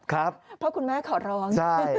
เพราะคุณแม่ขอร้อง